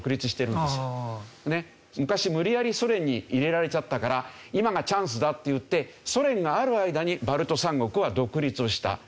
昔無理やりソ連に入れられちゃったから今がチャンスだっていってソ連がある間にバルト三国は独立をした。